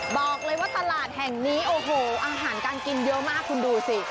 บอกเลยว่าตลาดแห่งนี้โอ้โหอาหารการกินเยอะมากคุณดูสิ